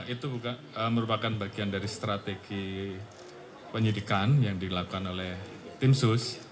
itu merupakan bagian dari strategi penyidikan yang dilakukan oleh tim sus